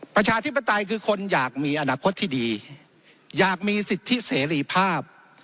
ประชาธิปไตยคือคนอยากมีอนาคตที่ดีอยากมีสิทธิเสรีภาพ